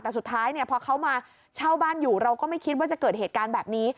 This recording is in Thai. แต่สุดท้ายเนี่ยพอเขามาเช่าบ้านอยู่เราก็ไม่คิดว่าจะเกิดเหตุการณ์แบบนี้